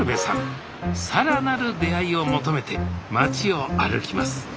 さらなる出会いを求めて町を歩きます